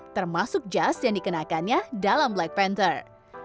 termasuk jas yang dikenakannya dalam black panther